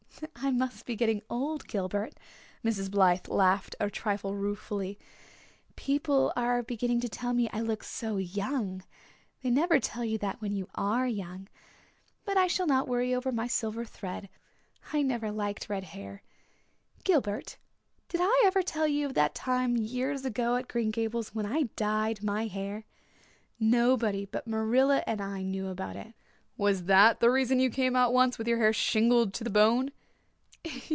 "I must be getting old, Gilbert." Mrs. Blythe laughed a trifle ruefully. "People are beginning to tell me I look so young. They never tell you that when you are young. But I shall not worry over my silver thread. I never liked red hair. Gilbert, did I ever tell you of that time, years ago at Green Gables, when I dyed my hair? Nobody but Marilla and I knew about it." "Was that the reason you came out once with your hair shingled to the bone?"